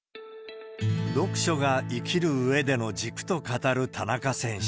読書が生きるうえでの軸と語る田中選手。